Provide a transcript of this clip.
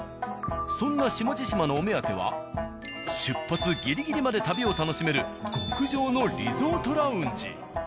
そんな下地島のお目当ては出発ギリギリまで旅を楽しめる極上のリゾートラウンジ。